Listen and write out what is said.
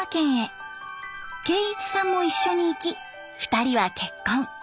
圭一さんも一緒に行き２人は結婚。